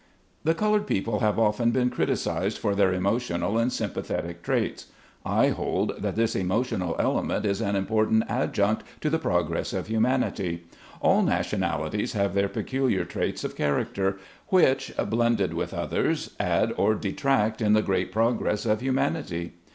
HE colored people have often been criticised for their emotional and sympathetic traits. I hold that this emotional element is an important adjunct to the progress of humanity. All nationalities have their peculiar traits of character, which, blended with others, add or detract in the great progress of humanity.